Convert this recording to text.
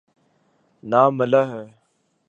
نہ ملاح ہے۔